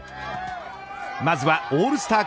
まずはオールスター